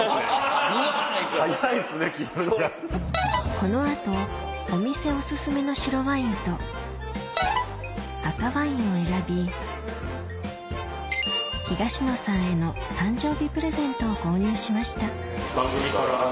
この後お店おすすめの白ワインと赤ワインを選び東野さんへの誕生日プレゼントを購入しました番組から。